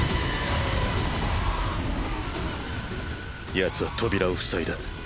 ヤツは扉を塞いだ。